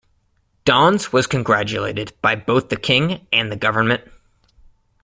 Dons was congratulated by both the King and the government.